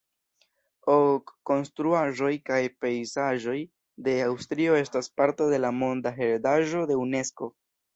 Ok konstruaĵoj kaj pejzaĝoj de Aŭstrio estas parto de la Monda heredaĵo de Unesko.